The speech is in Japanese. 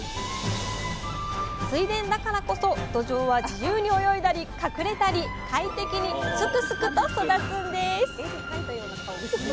水田だからこそどじょうは自由に泳いだり隠れたり快適にすくすくと育つんです！